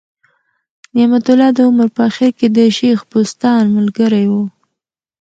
نعمت الله د عمر په آخر کي د شېخ بستان ملګری ؤ.